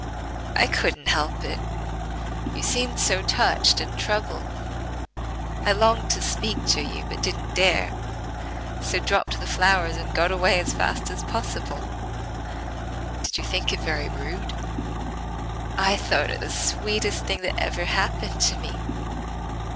"I couldn't help it: you seemed so touched and troubled. I longed to speak to you, but didn't dare, so dropped the flowers and got away as fast as possible. Did you think it very rude?" "I thought it the sweetest thing that ever happened to me.